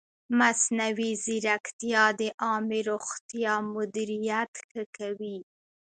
مصنوعي ځیرکتیا د عامې روغتیا مدیریت ښه کوي.